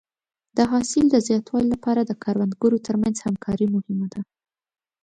د حاصل د زیاتوالي لپاره د کروندګرو تر منځ همکاري مهمه ده.